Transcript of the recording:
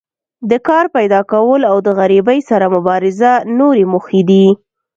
د کار پیداکول او د غریبۍ سره مبارزه نورې موخې دي.